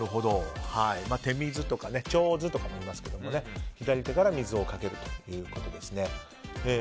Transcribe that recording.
てみずとかちょうずとかもいいますけど左手から水をかけるということですね。